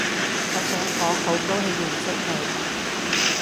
我想講好高興認識你